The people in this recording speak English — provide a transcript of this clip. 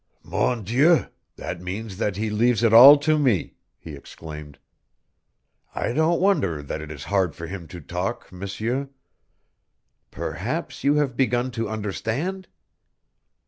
"Mon Dieu, that means that he leaves it all to me," he exclaimed. "I don't wonder that it is hard for him to talk, M'seur. Perhaps you have begun to understand!"